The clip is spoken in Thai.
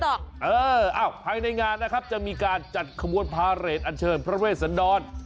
ภายในงานนะครับจะมีการจัดขบวนพาเรทอันเชิญพระเวชสันดร